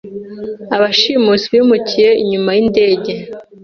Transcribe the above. Abashimusi bimukiye inyuma yindege.